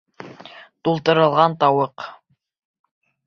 Тултырылған тауыҡ!